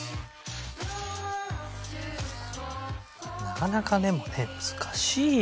なかなかでもね難しいよね。